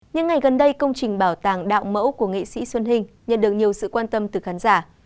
những ngày gần đây công trình bảo tàng đạo mẫu của nghệ sĩ xuân hình nhận được nhiều sự quan tâm từ khán giả